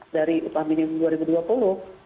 dari upah minimum dua ribu dua puluh